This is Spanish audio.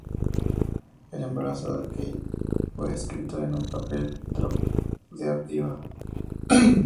El embarazo de Kate fue escrito en su papel en "Drop Dead Diva".